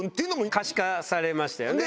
可視化されましたよね。